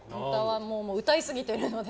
歌いすぎてるので。